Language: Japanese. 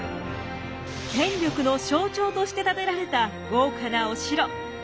権力の象徴として建てられた豪華なお城。